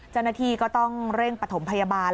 จนนาทีก็ต้องเร่งปฐมพยาบาล